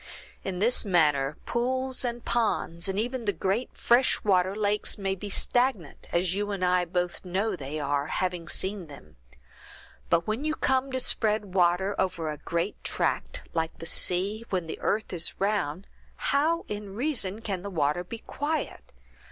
In this manner, pools and ponds, and even the great fresh water lakes, may be stagnant, as you and I both know they are, having seen them; but when you come to spread water over a great tract, like the sea, where the earth is round, how in reason can the water be quiet?